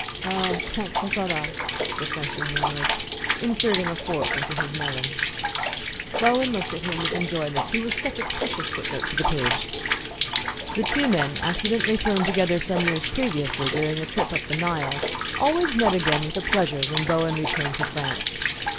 "Ah, quant à cela " the Frenchman murmured, inserting a fork into his melon. Bowen looked at him with enjoyment he was such a precious foot note to the page! The two men, accidentally thrown together some years previously during a trip up the Nile, always met again with pleasure when Bowen returned to France.